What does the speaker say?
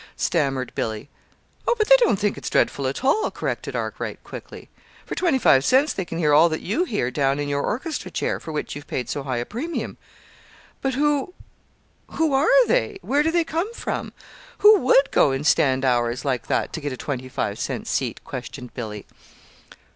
stammered Billy. "Oh, but they don't think it's dreadful at all," corrected Arkwright, quickly. "For twenty five cents they can hear all that you hear down in your orchestra chair, for which you've paid so high a premium." "But who who are they? Where do they come from? Who would go and stand hours like that to get a twenty five cent seat?" questioned Billy.